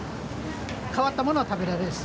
変わったものが食べられるし。